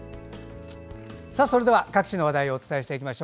それでは各地の話題をお伝えします。